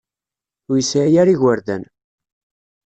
Ur yesɛi ara igerdan.